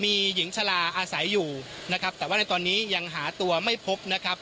มีหญิงชะลาอาศัยอยู่นะครับแต่ว่าในตอนนี้ยังหาตัวไม่พบนะครับ